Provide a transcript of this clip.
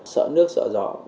sợ nước sợ gió